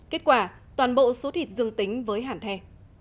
kết quả toàn bộ số thịt dương tính với hạn the